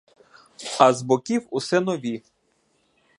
А з боків усе нові.